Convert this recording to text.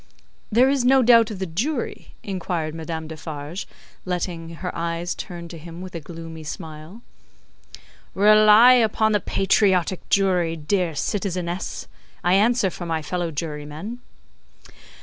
"There is no doubt of the Jury?" inquired Madame Defarge, letting her eyes turn to him with a gloomy smile. "Rely upon the patriotic Jury, dear citizeness. I answer for my fellow Jurymen."